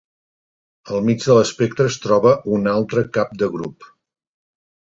Al mig de l’espectre es troba una altra cap de grup.